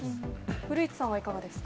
古市さんはいかがですか。